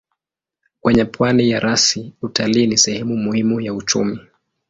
Kwenye pwani ya rasi utalii ni sehemu muhimu ya uchumi.